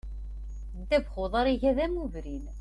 Ddabex n uḍar iga d amubrin.